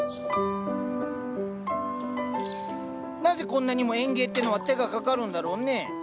なぜこんなにも園芸ってのは手がかかるんだろうねぇ。